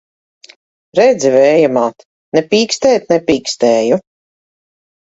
Redzi, Vēja māt! Ne pīkstēt nepīkstēju!